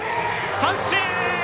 三振！